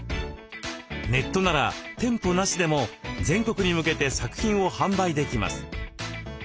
ネットなら店舗なしでも全国に向けて作品を販売できます。